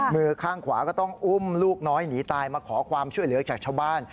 มือข้างขวาก็ต้องอุ้มลูกน้อยหนีตายมาขอความช่วยเหลือจากชาวบ้าน